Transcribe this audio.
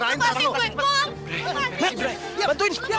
rasanya memang dosa